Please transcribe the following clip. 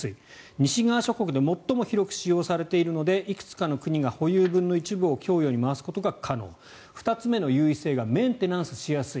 西側諸国で最も広く使用されているのでいくつかの国が保有分の一部を供与に回すことが可能２つ目の優位性がメンテナンスしやすい。